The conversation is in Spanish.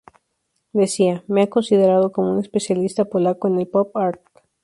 Decía: "Me han considerado como un especialista polaco en el pop-art.